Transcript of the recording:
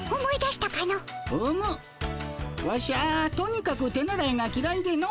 ワシャとにかく手習いがきらいでの。